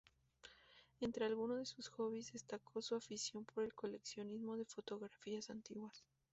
Entre algunos sus hobbies destacó su afición por el coleccionismo de fotografías antiguas.